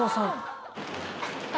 あ！